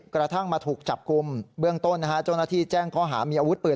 กระทั่งมาถูกจับกลุ่มเบื้องต้นเจ้าหน้าที่แจ้งข้อหามีอาวุธปืน